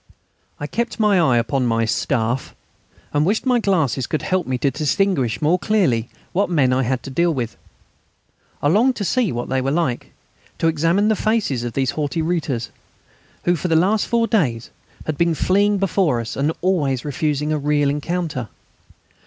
I kept my eye upon my "Staff," and wished my glasses could help me to distinguish more clearly what men I had to deal with. I longed to see what they were like to examine the faces of these haughty Reiters who for the last four days had been fleeing before us and always refusing a real encounter.